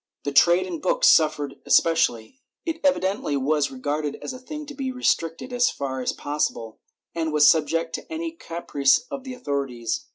The trade in books suffered especially. It evidently was re garded as a thing to be restricted as far as possible, and was subject to any caprice of the authorities.